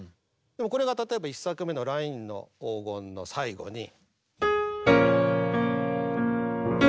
でもこれが例えば１作目の「ラインの黄金」の最後に。